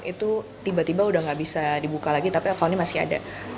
aku sudah tidak bisa dibuka lagi tapi akunnya masih ada